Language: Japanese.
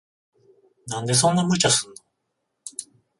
なんでそんな無茶すんの。